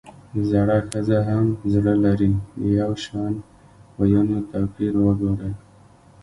زړه ښځه هم زړۀ لري ؛ د يوشان ويونو توپير وګورئ!